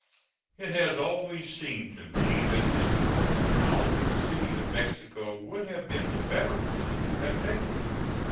It has always seemed to me that this northern route to the City of Mexico, would have been the better one to have taken.